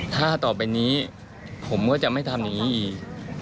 ถ้าต่อไปนี้ผมก็จะไม่ทำอย่างนี้อีก